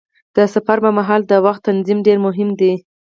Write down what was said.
د سفر پر مهال د وخت تنظیم ډېر مهم دی.